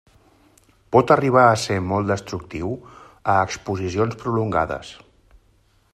Pot arribar a ser molt destructiu a exposicions prolongades.